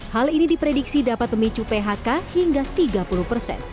hal ini diprediksi dapat memicu phk hingga tiga puluh persen